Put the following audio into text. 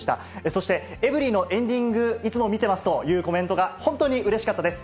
そして、エブリィのエンディング、いつも見てますというコメントが本当にうれしかったです。